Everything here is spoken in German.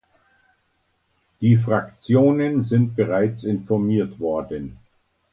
Die Fraktionen sind bereits informiert worden.